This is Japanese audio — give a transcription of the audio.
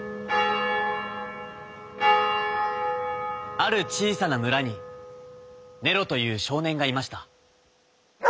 あるちいさなむらにネロというしょうねんがいました。